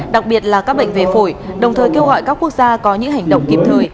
đặc biệt là các bệnh về phổi đồng thời kêu gọi các quốc gia có những hành động kịp thời